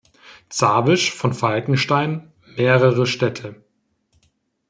Zawisch von Falkenstein mehrere Städte.